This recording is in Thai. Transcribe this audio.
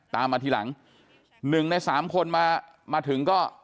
ตามมาที่หลัง๑ใน๓คนมาถึงก็